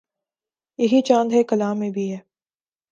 یہی چاند ہے کلاں میں بھی ہے